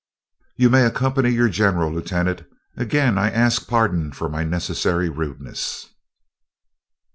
"You may accompany your general, lieutenant. Again I ask pardon for my necessary rudeness."